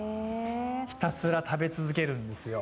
ひたすら食べ続けるんですよ。